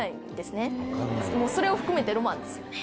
それを含めてロマンですよね。